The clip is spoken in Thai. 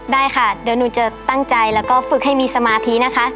ได้ค่ะเดี๋ยวหนูจะตั้งใจแล้วก็ฝึกให้มีสมาธินะคะ